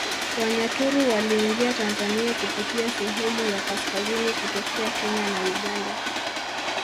Wanyaturu waliingia Tanzania kupitia sehemu ya kaskazini kutokea Kenya na Uganda